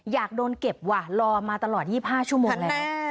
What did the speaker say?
อยากโดนเก็บว่ะรอมาตลอด๒๕ชั่วโมงแล้ว